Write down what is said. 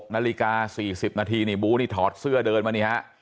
นาฬิกา๔๐นาทีนี่บูนี่ถอดเสื้อเดินมานี่ฮะ